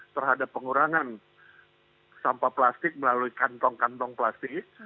terhadap pengurangan sampah plastik melalui kantong kantong plastik